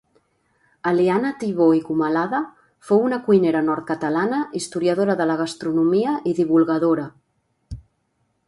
Eliana Thibaut i Comalada fou una cuinera nord-catalana historiadora de la gastronomia i divulgadora